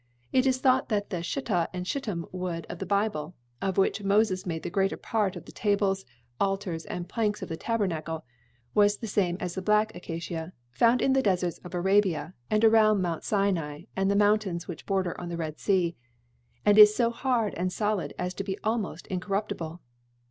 It is thought that the shittah and shittim wood of the Bible, of which Moses made the greater part of the tables, altars and planks of the tabernacle, was the same as the black acacia found in the deserts of Arabia and about Mount Sinai and the mountains which border on the Red Sea, and is so hard and solid as to be almost incorruptible.